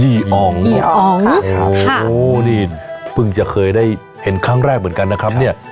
นี่อองนี่โอ้โหนี่เพิ่งจะเคยได้เห็นครั้งแรกเหมือนกันนะครับเนี่ย